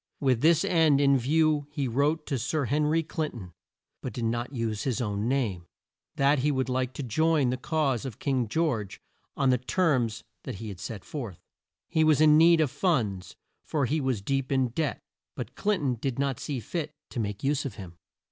With this end in view he wrote to Sir Hen ry Clin ton but did not use his own name that he would like to join the cause of King George on the terms that he set forth. He was in need of funds for he was deep in debt, but Clin ton did not see fit to make use of him.